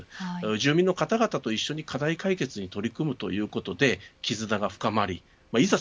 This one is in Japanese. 住民の方々と一緒に課題解決に取り組むということできずなが深まりいざ